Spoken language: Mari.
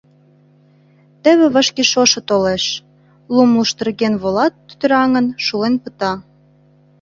Теве вашке шошо толеш, лум луштырген волат, тӱтыраҥын, шулен пыта.